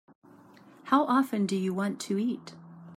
How often do you want to eat?